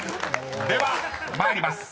［では参ります］